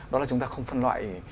đó là chúng ta không phân loại